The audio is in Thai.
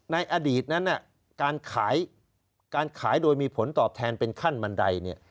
ในอดีตนั้นการขายโดยมีผลตอบแทนเป็นขั้นบันได